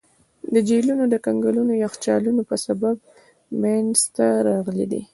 دا جهیلونه د کنګلونو یخچالونو په سبب منځته راغلي دي.